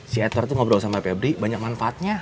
si edward ngobrol sama pebri banyak manfaatnya